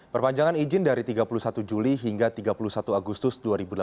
perpanjangan izin dari tiga puluh satu juli hingga tiga puluh satu agustus dua ribu delapan belas